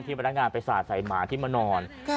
พนักงานไปสาดใส่หมาที่มานอน